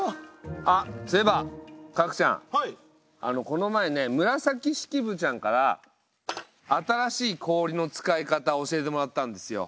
この前ね紫式部ちゃんから新しい氷の使い方教えてもらったんですよ。